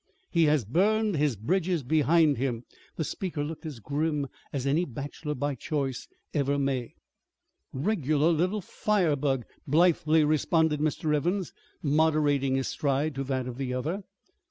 "He has burned his bridges behind him." The speaker looked as grim as any bachelor by choice ever may. "Regular little fire bug," blithely responded Mr. Evans, moderating his stride to that of the other.